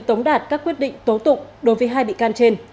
tống đạt các quyết định tố tụng đối với hai bị can trên